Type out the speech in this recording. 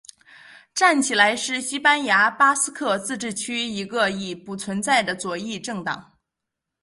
站起来是西班牙巴斯克自治区的一个已不存在的左翼政党。